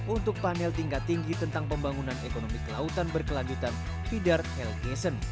untuk panel tingkat tinggi tentang pembangunan ekonomi kelautan berkelanjutan fidar lgson